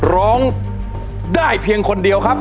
ร้องได้เพียงคนเดียวครับ